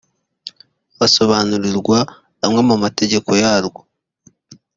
basobanurirwa amwe mu mateka yarwo